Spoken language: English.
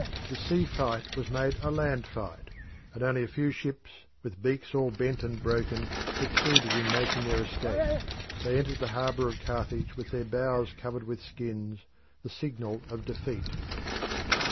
The sea fight was made a land fight, and only a few ships with beaks all bent and broken succeeded in making their escape. They entered the harbour of Carthage with their bows covered with skins, the signal of defeat.